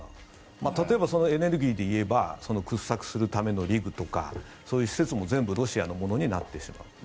例えばエネルギーでいえば掘削するためのリブとかそういう施設も全部ロシアのものになってしまう。